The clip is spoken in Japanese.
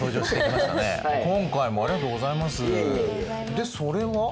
でそれは？